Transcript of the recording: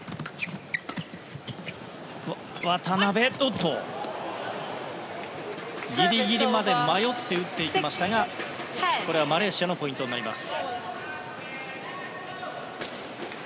渡辺、ギリギリまで迷って打っていきましたがこれはマレーシアのポイントになります。